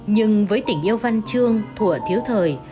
nhưng với tình yêu văn chương thủa thiếu thời